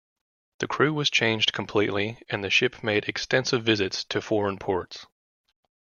The crew was changed completely and the ship made extensive visits to foreign ports.